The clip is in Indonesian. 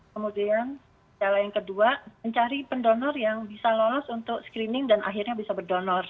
kemudian cara yang kedua mencari pendonor yang bisa lolos untuk screening dan akhirnya bisa berdonor